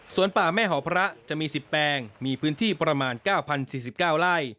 ส่วนป่าแม่หอพระจะมี๑๐แปลงมีพื้นที่ประมาณ๙๐๔๙ไร่